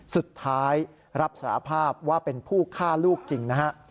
สุดท้ายรับสารภาพว่าเป็นผู้ฆ่าลูกจริงนะฮะ